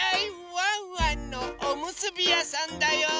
ワンワンのおむすびやさんだよ！